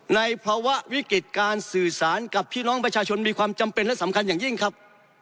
ในภาวะวิกฤติการสื่อสารกับพี่น้องประชาชนมีความจำเป็นและสำคัญอย่างยิ่งครับ